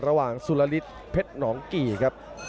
ระหว่างสุรริตรเพชรหนองกีครับ